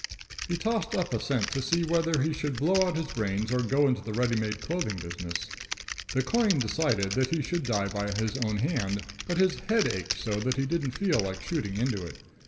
He tossed up a cent to see whether he should blow out his brains or go into the ready made clothing business. The coin decided that he should die by his own hand, but his head ached so that he didn't feel like shooting into it.